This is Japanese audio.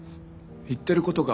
言ってることが。